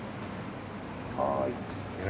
はい。